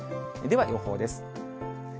では、予報です。